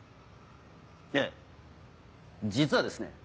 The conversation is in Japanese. ええ実はですね